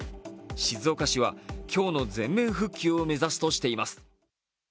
静岡市は今日の全面復旧を目指すとしています。